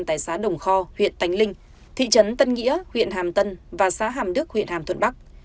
tại xã đồng kho huyện tánh linh thị trấn tân nghĩa huyện hàm tân và xã hàm đức huyện hàm thuận bắc